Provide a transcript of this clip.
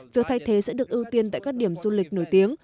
việc thay thế sẽ được ưu tiên tại các điểm du lịch nổi tiếng